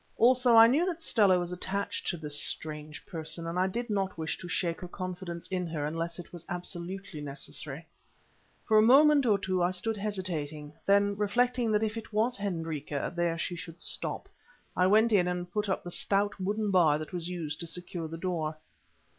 Also I knew that Stella was attached to this strange person, and I did not wish to shake her confidence in her unless it was absolutely necessary. For a minute or two I stood hesitating, then, reflecting that if it was Hendrika, there she should stop, I went in and put up the stout wooden bar that was used to secure the door.